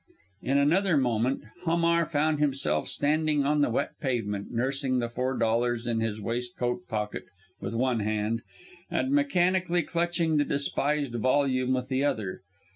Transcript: In another moment Hamar found himself standing on the wet pavement, nursing the four dollars in his waistcoat pocket with one hand, and mechanically clutching the despised volume with the other.